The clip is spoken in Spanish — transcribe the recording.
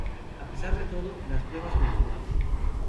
A pesar de todo, las pruebas continuaron.